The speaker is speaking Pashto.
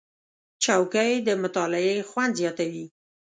چوکۍ د مطالعې خوند زیاتوي.